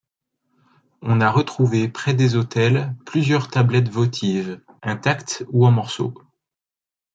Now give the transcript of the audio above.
On a retrouvé près des autels plusieurs tablettes votives, intactes ou en morceaux.